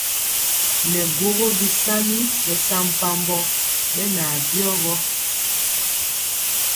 Nɛ guógó bisaŋi bɛsampabɔ beŋan byigɔ.